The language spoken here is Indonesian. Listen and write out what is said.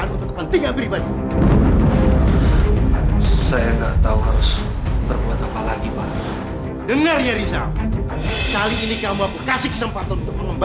mengharta kekayaan kamu aku cita